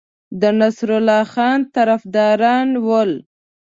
د نصرالله خان طرفداران ول.